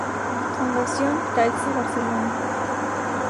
Fundación Caixa Barcelona.